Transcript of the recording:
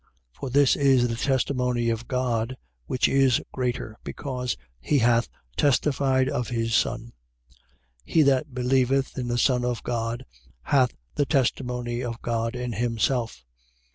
For this is the testimony of God, which is greater, because he hath testified of his Son. 5:10. He that believeth in the Son of God hath the testimony of God in himself.